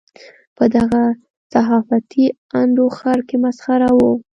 په دغه صحافتي انډوخر کې مسخره وو.